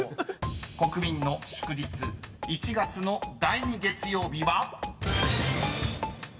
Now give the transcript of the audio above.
［国民の祝日１月の第２月曜日は］